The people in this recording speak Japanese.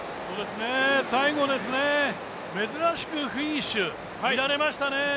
最後、珍しくフィニッシュ乱れましたね。